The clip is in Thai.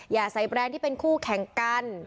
อย่าใส่แบรนด์ที่เป็นคู่แข่งกัน